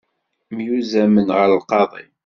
Myuzzamen ɣer lqaḍi.